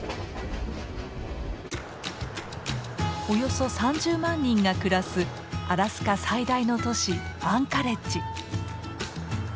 およそ３０万人が暮らすアラスカ最大の都市アンカレッジ。